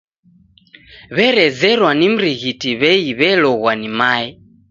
W'erezerwa ni mrighiti w'ei w'elogwa ni mae!